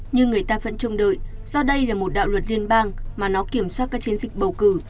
nhưng người ta vẫn trông đợi do đây là một đạo luật liên bang mà nó kiểm soát các chiến dịch bầu cử